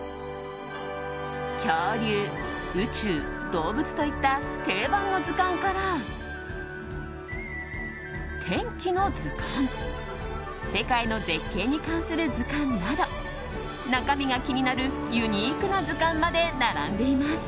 恐竜、宇宙、動物といった定番の図鑑から天気の図鑑世界の絶景に関する図鑑など中身が気になるユニークな図鑑まで並んでいます。